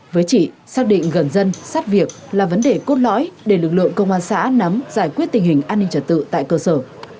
với chị xác định gần dân sát việc là vấn đề cốt lõi để lực lượng công an xã nắm giải quyết tình hình an ninh trật tự tại cơ sở